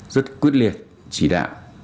rất quyết liệt chỉ đạo